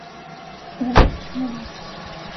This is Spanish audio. Hubert Gómez.